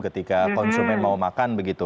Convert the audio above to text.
ketika konsumen mau makan begitu